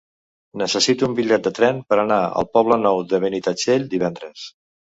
Necessito un bitllet de tren per anar al Poble Nou de Benitatxell divendres.